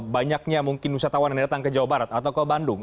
banyaknya mungkin wisatawan yang datang ke jawa barat atau ke bandung